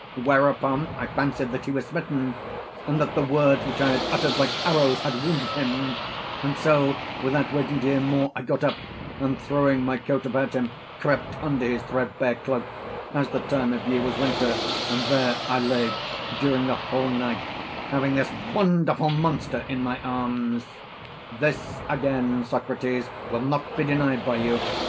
Whereupon, I fancied that he was smitten, and that the words which I had uttered like arrows had wounded him, and so without waiting to hear more I got up, and throwing my coat about him crept under his threadbare cloak, as the time of year was winter, and there I lay during the whole night having this wonderful monster in my arms. This again, Socrates, will not be denied by you.